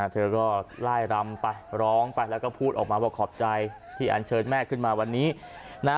เธอก็ไล่รำไปร้องไปแล้วก็พูดออกมาว่าขอบใจที่อันเชิญแม่ขึ้นมาวันนี้นะ